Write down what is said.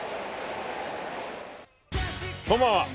こんばんは。